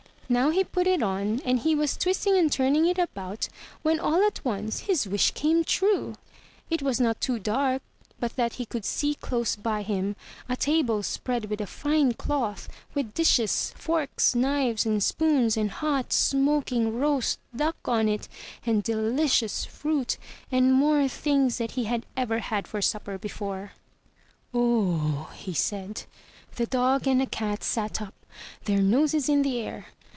Now he put it on, and he was twisting and turning it about, when all at once his wish came true ! It was not too dark but that he could see close by him a table spread with a fine cloth, with dishes, forks, knives and spoons, and hot, smoking roast duck on it, and delicious 338 THROUGH FAIRY HALLS fruit, and more things than he had ever had for supper before. "Oh h h!'' he said. The dog and the cat sat up, their noses in the air.